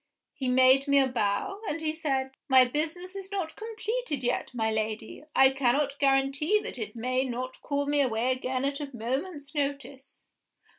He made me a bow, and he said, 'My business is not completed yet, my Lady. I cannot guarantee that it may not call me away again at a moment's notice.